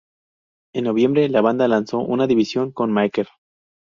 En noviembre, la banda lanzó una división con Maker.